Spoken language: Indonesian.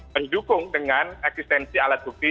mendukung dengan eksistensi alat bukti